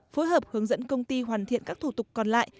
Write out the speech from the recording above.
phối hợp hướng dẫn công ty hoàn thiện các thủ tục còn lại